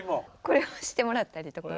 これをしてもらったりとか。